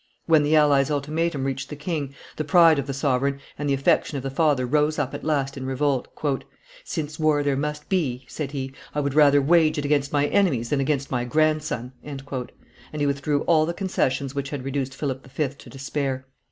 When the allies' ultimatum reached the king, the pride of the sovereign and the affection of the father rose up at last in revolt. "Since war there must be," said he, "I would rather wage it against my enemies than against my grandson;" and he withdrew all the concessions which had reduced Philip V. to despair.